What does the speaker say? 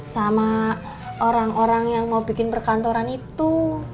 sama orang orang yang mau bikin perkantoran itu